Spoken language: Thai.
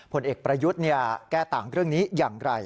ผลเอกประยุทธ์แก้ต่างเรื่องนี้อย่างไร